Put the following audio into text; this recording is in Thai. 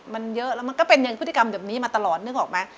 มันเยอะแล้วมันก็เป็นอย่างพฤติกรรมแบบนี้มาตลอดนึกออกไหม